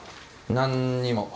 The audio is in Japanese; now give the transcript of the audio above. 何にも。